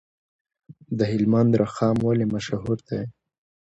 د هلمند رخام ولې مشهور دی؟